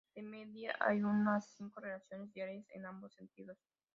De media hay unas cinco relaciones diarias en ambos sentidos.